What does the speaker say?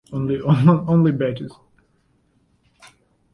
He attended Arlington High School before playing college football at Texas.